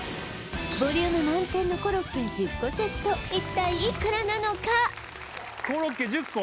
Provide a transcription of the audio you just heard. ボリューム満点のコロッケ１０個セットコロッケ１０個？